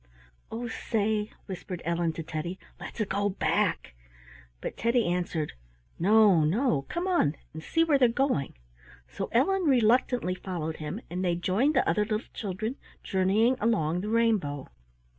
"Oh, say," whispered Ellen to Teddy, "let's go back!" But Teddy answered: "No, no! Come on and see where they're going." So Ellen reluctantly followed him, and they joined the other little children journeying along the rainbow.